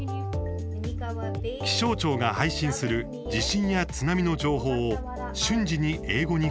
気象庁が配信する地震や津波の情報を瞬時に英語に翻訳。